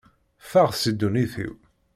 Ffeɣ si ddunit-iw!